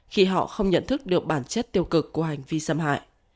khi họ không nhận thức được bản chất tiêu cực của hành vi xâm hại